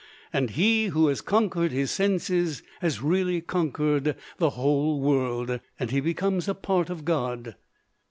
And he who has conquered his senses has really conquered the whole world, and he becomes a part of God.